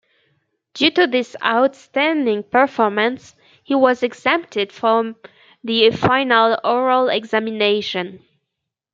Due to his outstanding performance he was exempted from the final oral examinations.